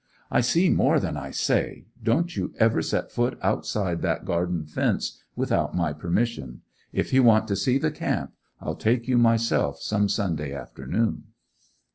'I see more than I say. Don't you ever set foot outside that garden fence without my permission. If you want to see the camp I'll take you myself some Sunday afternoon.